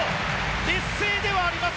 劣勢ではあります。